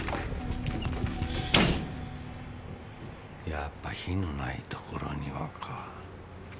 やっぱ「火のない所には」か。